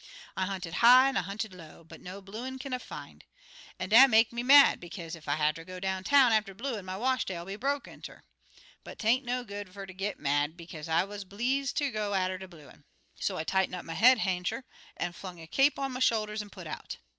I hunted high an' I hunted low, but no bluin' kin I fin'. An' dat make me mad, bekaze ef I hatter go down town atter de bluin', my wash day'll be broke inter. But 'tain't no good fer ter git mad, bekaze I wuz bleeze ter go atter de bluin'. So I tighten up my head hankcher, an' flung a cape on my shoulders an' put out.